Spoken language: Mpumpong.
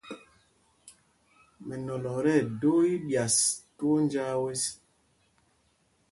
Mɛnɔlɔ ɛ tí ɛdō íɓyas twóó njāā zes.